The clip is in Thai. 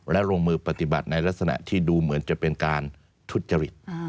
และลงมือปฏิบัติในลักษณะที่ดูเหมือนจะเป็นการทุจริต